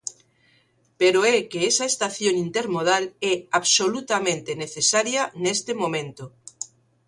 Pero é que esa estación intermodal é absolutamente necesaria neste momento.